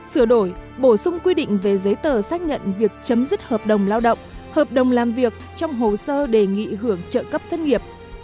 sửa đổi bổ sung quy định về giấy tờ xác nhận việc chấm dứt hợp đồng lao động hợp đồng làm việc trong hồ sơ đề nghị hưởng trợ cấp thất nghiệp